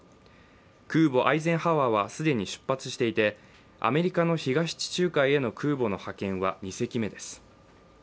空母「アイゼンハワー」は既に出発していてアメリカの東地中海への空母の派遣は２隻目です。